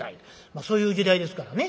あそういう時代ですからね。